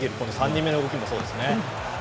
３人目の動きもそうです。